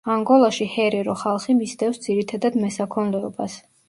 ანგოლაში ჰერერო ხალხი მისდევს, ძირითადად, მესაქონლეობას.